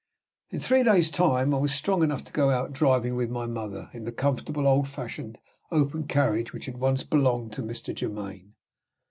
In three days' time I was strong enough to go out driving with my mother, in the comfortable, old fashioned, open carriage which had once belonged to Mr. Germaine.